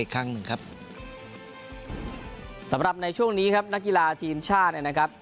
ครั้งหนึ่งครับสำหรับในช่วงนี้ครับนักกีฬาทีมชาติเนี่ยนะครับ